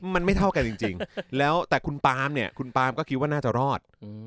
มันไม่เท่ากันจริงแล้วแต่คุณปามเนี่ยคุณปามก็คิดว่าน่าจะรอด